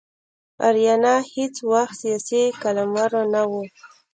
آریانا هیڅ وخت سیاسي قلمرو نه و.